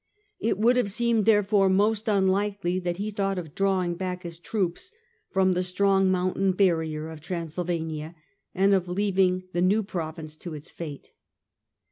It would seem therefore most unlikely that he thought of drawing back his troops from the strong mountain barrier of Transylvania, and of leav ing the new province to its fate.